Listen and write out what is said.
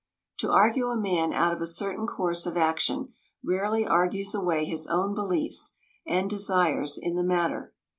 To argue a man out of a certain course of action rarely argues away his own beliefs and desires in the matter.